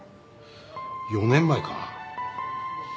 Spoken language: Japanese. ４年前か。